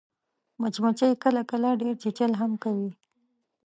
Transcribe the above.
مچمچۍ کله کله ډېر چیچل هم کوي